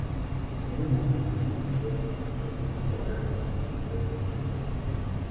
Зарим хүмүүс хөшөөнүүд бол ач холбогдолгүй гайхамшиг мэт ярьдаг.